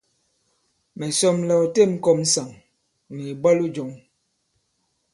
Mɛ̀ sɔm la ɔ têm ɔ kɔ̄m ŋsàŋ nì ìbwalo jɔ̄ŋ.